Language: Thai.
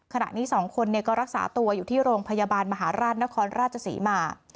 ขณะนี้๒คนก็รักษาตัวอยู่ที่โรงพยาบาลมหาราชนครราชศรีมา